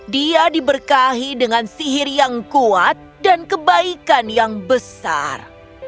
dia diberkahi dengan sihir yang kuat dan kebaikan yang besar